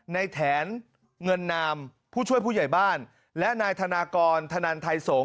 แถนเงินนามผู้ช่วยผู้ใหญ่บ้านและนายธนากรธนันไทยสงฆ